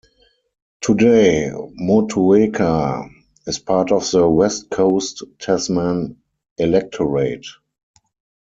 Today Motueka is part of the West Coast-Tasman electorate.